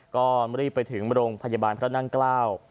ก็รีบไปถึงมรงค์พัฒนิบานพระดังเกล้า